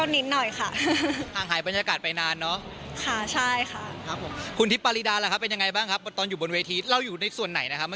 นานจากบรรยากาศแบบนี้ค่ะ